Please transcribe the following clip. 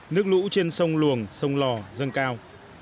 nước lũ trên sông luồng sông lò dân cao